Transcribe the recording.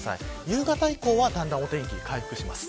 夕方以降はだんだんお天気、回復します。